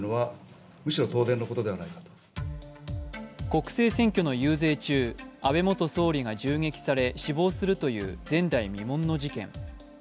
国政選挙の遊説中、安倍元総理が死亡するという前代未聞の事件。